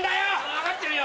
分かってるよ。